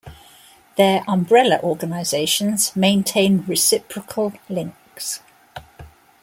Their umbrella organizations maintain reciprocal links.